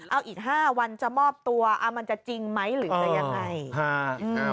เอาอีก๕วันจะมอบตัวมันจะจริงไหมหรือจะยังไง